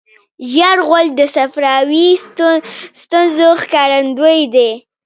ژېړ غول د صفراوي ستونزو ښکارندوی دی.